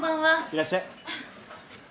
いらっしゃい。